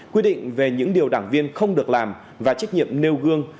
quy định về những điều đảng viên không được làm và trách nhiệm nêu gương